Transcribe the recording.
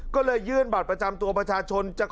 ก็เลยยื่นบัตรประจำตัวประชาชน